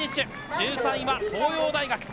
１３位は東洋大学。